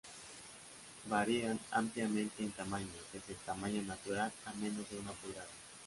Varían ampliamente en tamaño, desde el tamaño natural a menos de una pulgada.